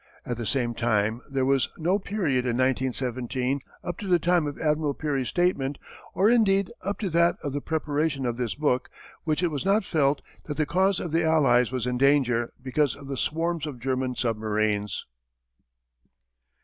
At the same time there was no period in 1917 up to the time of Admiral Peary's statement, or indeed up to that of the preparation of this book, when it was not felt that the cause of the Allies was in danger because of the swarms of German submarines.